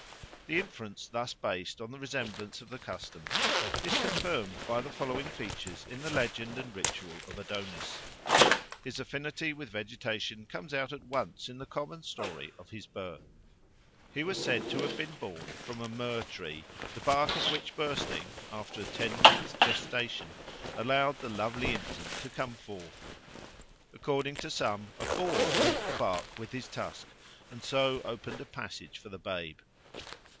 The inference thus based on the resemblance of the customs is confirmed by the following features in the legend and ritual of Adonis. His affinity with vegetation comes out at once in the common story of his birth. He was said to have been born from a myrrh tree, the bark of which bursting, after a ten months' gestation, allowed the lovely infant to come forth. According to some, a boar rent the bark with his tusk and so opened a passage for the babe.